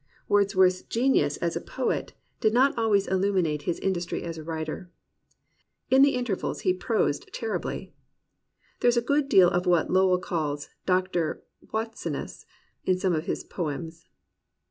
Wordsworth's genius as a poet did not always illuminate his in dustry as a WTiter. In the intervals he prosed ter ribly. There is a good deal of what Lowell calls "Dr. Wattsiness," in some of his poems.